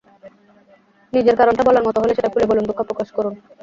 নিজের কারণটা বলার মতো হলে সেটা খুলে বলুন, দুঃখ প্রকাশ করুন।